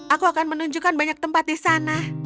aku akan menunjukkan banyak tempat di sana